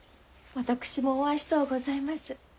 私もお会いしとうございます。